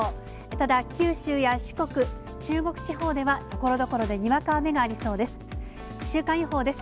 ただ、九州や四国、中国地方ではところどころでにわか雨がありそうです。